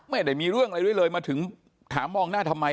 ไม่ได้มีเรื่องอะไรด้วยเลยมาถึงถามมองหน้าทำไม